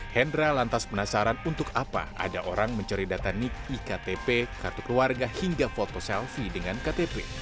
hendra lantas penasaran untuk apa ada orang mencari data nik iktp kartu keluarga hingga foto selfie dengan ktp